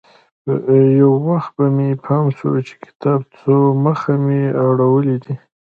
يو وخت به مې پام سو چې د کتاب څو مخه مې اړولي دي.